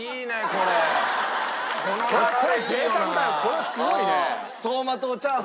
これすごいね。